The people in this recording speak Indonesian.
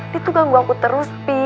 dia tuh ganggu aku terus